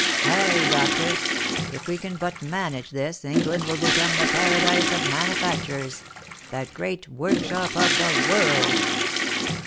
Ay, doctor, if we can but manage this England will become the paradise of manufacturers !— the great workshop of the world